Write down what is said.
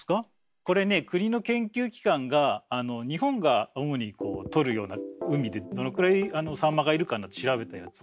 これね国の研究機関が日本が主に取るような海でどのくらいサンマがいるか調べたやつ。